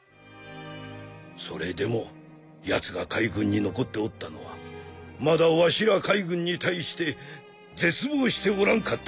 それでもやつが海軍に残っておったのはまだわしら海軍に対して絶望しておらんかったからじゃろう。